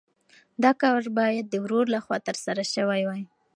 دا کار باید د ورور لخوا ترسره شوی وای.